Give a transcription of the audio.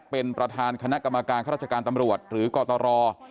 เป็นประธานคณะกรรมการข้าราชการตำรวจหรือกตร